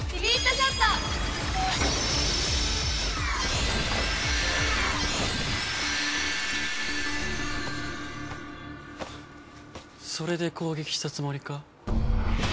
フッそれで攻撃したつもりか？